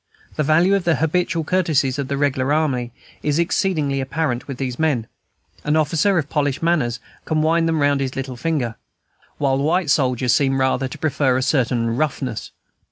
The value of the habitual courtesies of the regular army is exceedingly apparent with these men: an officer of polished manners can wind them round his finger, while white soldiers seem rather to prefer a certain roughness.